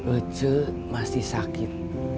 ece masih sakit